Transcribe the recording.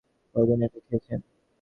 কতদিন এটা খেয়েছেন?